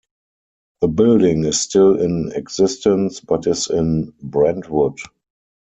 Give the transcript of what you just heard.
The building is still in existence, but is in Brentwood.